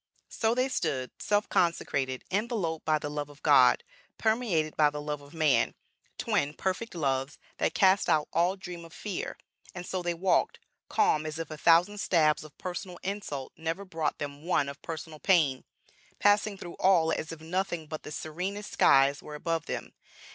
So they stood, self consecrated, enveloped by the love of God, permeated by the love of man, twin Perfect Loves that cast out all dream of fear. And so they walked, calm as if a thousand stabs of personal insult never brought them one of personal pain, passing through all as if nothing but the serenest skies were above them.